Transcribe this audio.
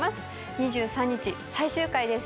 ２３日最終回です。